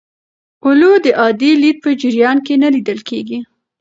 اولو د عادي لید په جریان کې نه لیدل کېږي.